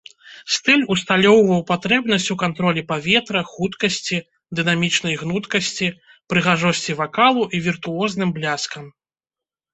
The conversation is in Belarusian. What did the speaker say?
Стыль усталёўваў патрэбнасць ў кантролі паветра, хуткасці, дынамічнай гнуткасці, прыгажосці вакалу і віртуозным бляскам.